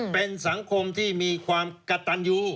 เป็นสังคมที่มีความกระตันยู